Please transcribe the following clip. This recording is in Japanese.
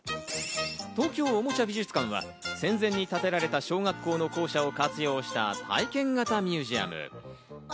東京おもちゃ美術館は、戦前に建てられた小学校の校舎を活用した体験型ミュージアム。